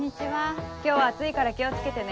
今日は暑いから気を付けてね。